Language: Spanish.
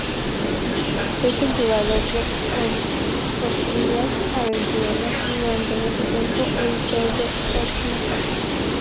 Fue cultivador de orquídeas, aventurero, y durante mucho tiempo editor de "Orchid Digest".